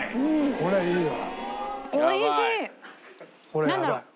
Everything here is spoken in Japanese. これいいね！